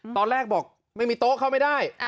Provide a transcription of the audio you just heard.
ตอนแรกบอกไม่มีโต๊ะเข้าไม่ได้